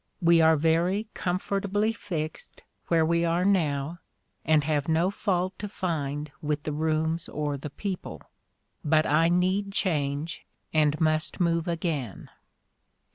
We are very comfortably fixed where we are now and have no fault to find with the rooms or the people. ... But I need change and must move again."